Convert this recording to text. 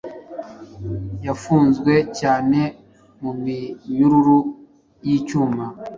Yafunzwe cyane muminyururu yicyuma